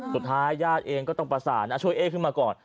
สุดท้ายญาติเองก็ต้องประสานช่วยเอ๊ขึ้นมาก่อน